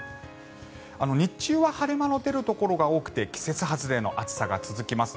日中は晴れ間の出るところが多くて季節外れの暑さが続きます。